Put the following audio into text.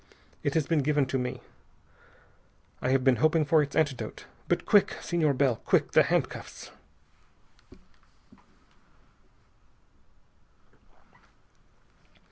It has been given to me. I have been hoping for its antidote, but Quick! Senor Bell! Quick! The handcuffs!"